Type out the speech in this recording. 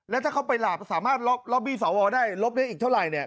แล้วถ้าเขาไปหลาบสามารถล็อบบี้สวได้ลบได้อีกเท่าไหร่